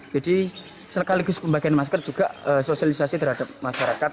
jadi sekaligus pembagian masker juga sosialisasi terhadap masyarakat